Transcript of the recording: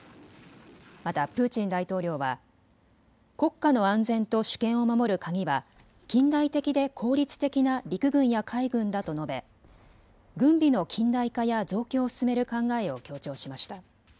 またプーチン大統領は国家の安全と主権を守る鍵は近代的で効率的な陸軍や海軍だと述べ、軍備の近代化や増強を進める考えを強調しました。